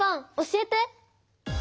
教えて！